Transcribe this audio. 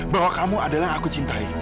bahwa kamu adalah yang aku cintai